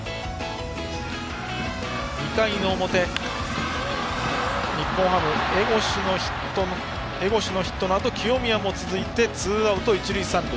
２回の表、日本ハム江越のヒットのあと清宮も続いてツーアウト一塁三塁。